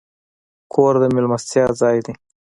کور د میلمستیا ځای دی.